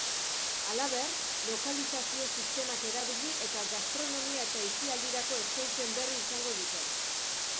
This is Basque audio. Halaber, lokalizazio sistemak erabili eta gastronomia eta asialdirako eskaintzen berri izango dute.